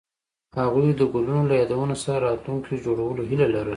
هغوی د ګلونه له یادونو سره راتلونکی جوړولو هیله لرله.